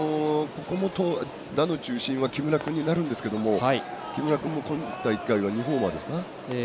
打の中心は木村君になるんですけど木村君は今大会は２ホーマーですか。